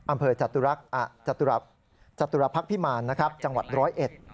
อำเภอจตุรพักภิมารนะครับจังหวัด๑๐๑